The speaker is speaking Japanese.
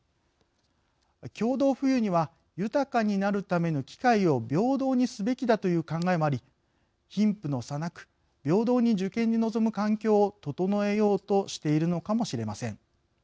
共同富裕には豊かになるための機会を平等にすべきだという考えもあり貧富の差なく、平等に受験に臨む環境を整えようとしているのかもしれません。